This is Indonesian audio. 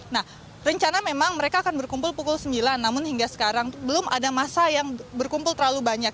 nah rencana memang mereka akan berkumpul pukul sembilan namun hingga sekarang belum ada masa yang berkumpul terlalu banyak